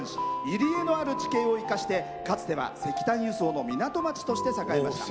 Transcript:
入り江のある地形を生かしてかつては石炭輸送の港町として栄えました。